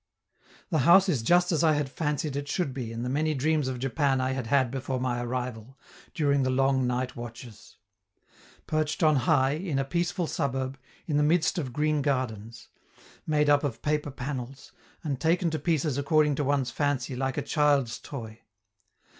The house is just as I had fancied it should be in the many dreams of Japan I had had before my arrival, during the long night watches: perched on high, in a peaceful suburb, in the midst of green gardens; made up of paper panels, and taken to pieces according to one's fancy, like a child's toy.